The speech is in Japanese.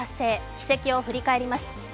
軌跡を振り返ります。